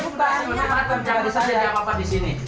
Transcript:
bukan di saya ya papa di sini